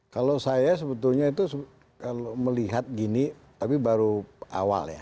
kalau saya sebetulnya itu kalau melihat gini tapi baru awal ya